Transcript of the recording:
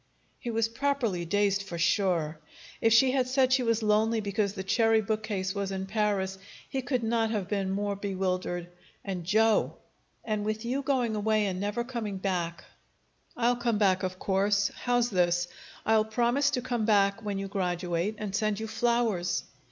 He was properly dazed, for sure. If she had said she was lonely because the cherry bookcase was in Paris, he could not have been more bewildered. And Joe! "And with you going away and never coming back " "I'll come back, of course. How's this? I'll promise to come back when you graduate, and send you flowers."